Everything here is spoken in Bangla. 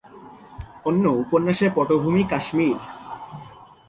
অন্য উপন্যাসের পটভূমি কাশ্মীর।